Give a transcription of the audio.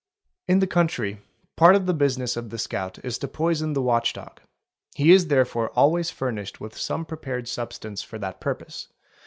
676 THEFT In the country, part of the business of the scout is to poison the watch dog; he is therefore always furnished with some prepared sub stance for that purpose.